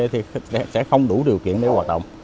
thì sẽ không đủ điều kiện để hoạt động